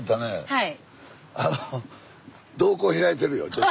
はい。